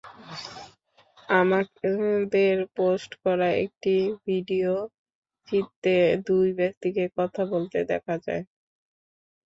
আমাকের post করা একটি video চিত্রে দুই ব্যক্তিকে কথা বলতে দেখা যায়।